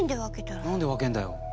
何で分けんだよ？